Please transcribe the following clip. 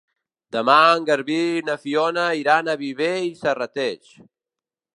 Demà en Garbí i na Fiona iran a Viver i Serrateix.